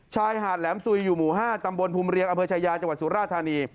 ชายหาดแหลมสุยอยู่หมู่๕ตำบลภูมิเรียงอำเภอชายาจังหวัดสุราธานี